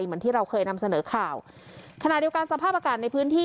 เหมือนที่เราเคยนำเสนอข่าวขณะเดียวกันสภาพอากาศในพื้นที่